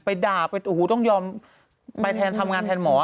ไปด่าไปต้องโยมไปทำงานแทนหมอ